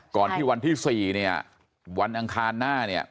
ก่อนที่วันที่๔เนี่ยวันอังคารหน้าเนี่ย